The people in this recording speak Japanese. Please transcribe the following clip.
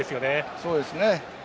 そうですね。